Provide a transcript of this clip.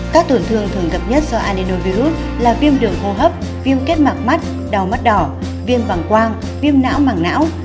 các tổn thương thường gặp nhất do adenovirus là viêm đường khô hấp viêm kết mạc mắt đau mắt đỏ viêm bằng quang viêm não mảng não